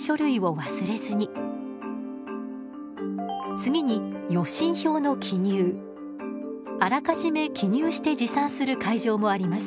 次にあらかじめ記入して持参する会場もあります。